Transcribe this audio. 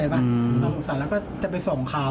สงสารแล้วก็จะไปส่งเขา